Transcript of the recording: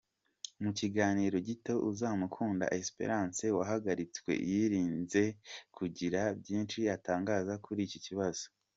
Mu kiganiro gito Uzamukunda Espérance wahagaritswe yirinze kugira byinshi atangaza kuri iki kibazo.